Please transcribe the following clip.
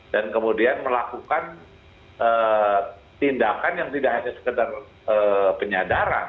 dan kemudian melakukan tindakan yang tidak hanya sekedar penyadaran